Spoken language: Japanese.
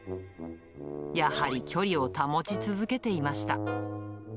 やはり距離を保ち続けていました。